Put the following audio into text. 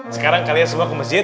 sekarang kalian semua ke masjid